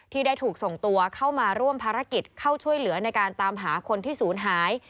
ที่ได้ถูกส่งตัวเข้ามาร่วมภารกิจเข้าช่วยเหลือในการตามหาคนที่ศูนย์หาย